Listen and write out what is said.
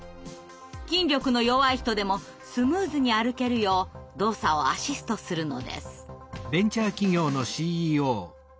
筋力の弱い人でもスムーズに歩けるよう動作をアシストするのです。